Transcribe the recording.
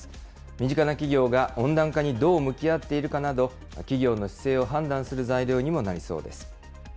身近な企業が温暖化にどう向き合っているかなど、企業の姿勢を判断する材料にもなりそうです。